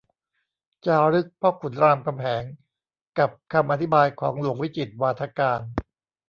จารึกพ่อขุนรามคำแหง กับคำอธิบายของหลวงวิจิตรวาทการ